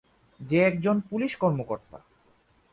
যে একজন পুলিশ কর্মকর্তা।